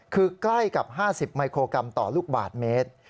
คือใกล้กับ๕๐มิโครกรัมต่อลูกบาทเมตร